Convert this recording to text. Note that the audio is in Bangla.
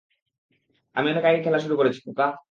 আমি অনেক আগেই খেলা শুরু করেছি, খোকা।